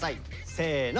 せの。